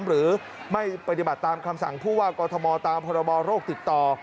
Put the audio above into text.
หรือไม่ปฏิบัติตามคำสั่งผู้ว่ากอทมตามพรบโรคติดต่อ